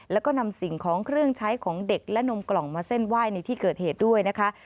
แล้วก็นำสิ่งของเครื่องใช้ของเด็กและนมกล่องมาเส้นไหว้ในที่เกิดเหตุด้วยนะคะ